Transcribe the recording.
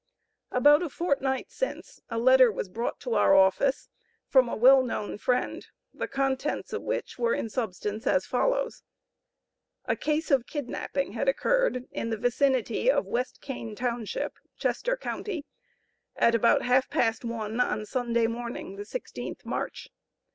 About a fortnight since, a letter was brought to our office, from a well known friend, the contents of which were in substance as follows: A case of kidnapping had occurred in the vicinity of West Cain Township, Chester county, at about half past one on Sunday morning, the 16th March.